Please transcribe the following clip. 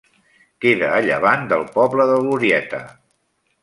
Queda a llevant del poble de Glorieta.